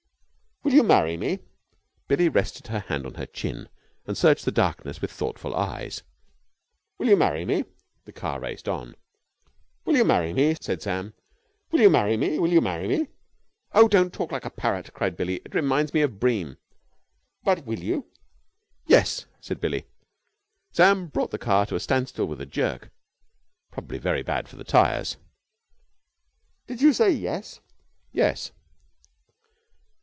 "Will you marry me?" Billie rested her hand on her chin and searched the darkness with thoughtful eyes. "Will you marry me?" The car raced on. "Will you marry me?" said Sam. "Will you marry me? Will you marry me?" "Oh, don't talk like a parrot," cried Billie. "It reminds me of Bream." "But will you?" "Yes," said Billie. Sam brought the car to a standstill with a jerk, probably very bad for the tires. "Did you say 'yes'?" "Yes!"